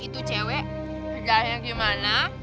itu perempuan di dalamnya bagaimana